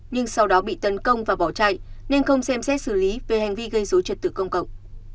nhưng sau đó bị tấn công và bỏ chạy nên không xem xét xử lý về hành vi gây dối trật tự công cộng